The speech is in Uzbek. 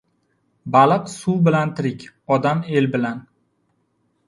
Baliq suv bilan tirik, odam — el bilan.